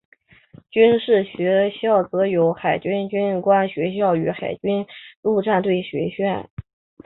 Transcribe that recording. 军事学校则有海军军官学校与海军陆战队学校。